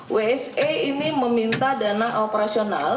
wsa ini meminta dana operasional